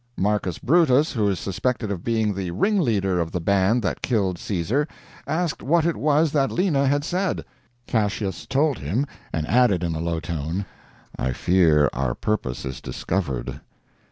Marcus Brutus, who is suspected of being the ringleader of the band that killed Caesar, asked what it was that Lena had said. Cassias told him, and added in a low tone, "I fear our purpose is discovered."